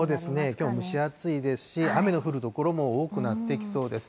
きょう、蒸し暑いですし、雨の降る所も多くなってきそうです。